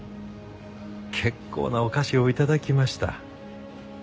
結構なお菓子を頂きました。